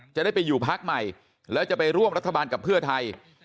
จะได้ไปอยู่พักใหม่แล้วจะไปร่วมรัฐบาลกับเพื่อไทย